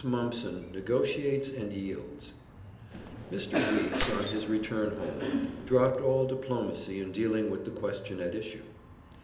Mumpson Negotiates and Yields Mr. Weeks, on his return home, dropped all diplomacy in dealing with the question at issue.